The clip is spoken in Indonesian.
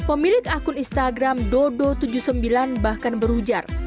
pemilik akun instagram dodo tujuh puluh sembilan bahkan berujar